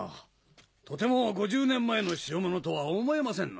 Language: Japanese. とても５０年前の代物とは思えませんな。